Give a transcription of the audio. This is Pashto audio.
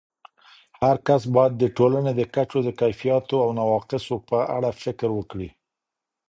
هرکس باید د ټولنې د کچو د کیفیاتو او نواقصو په اړه فکر وکړي.